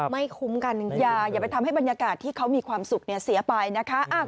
ไม่คุ้มกันอย่าไปทำให้บรรยากาศที่เขามีความสุขเสียไปนะคะ